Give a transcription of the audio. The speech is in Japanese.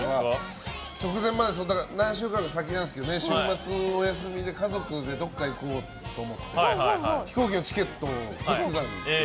直前まで何週間か先なんですけど週末、お休みで家族でどこか行こうと思って飛行機のチケットをとっていたんです。